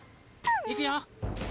いくよ。